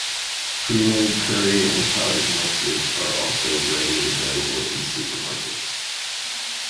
Premade curry and powdered mixes are also readily available in supermarkets.